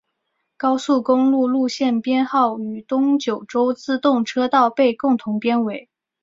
高速公路路线编号与东九州自动车道被共同编为。